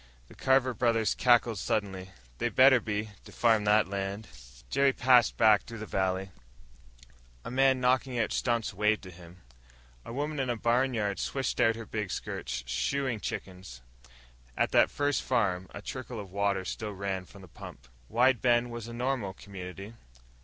The Carver brothers cackled suddenly. "They better be! To farm that land." Jerry passed back through the valley. A man knocking out stumps waved to him. A woman in a barnyard swished out her big skirts, shooing chickens. At that first farm, a trickle of water still ran from the pump.... Wide Bend was a normal community.